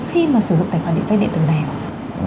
khi mà sử dụng tài khoản địa danh địa tử nào